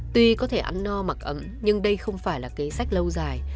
tuy có thể ăn no mặc ấm nhưng đây không phải là kế sách lâu dài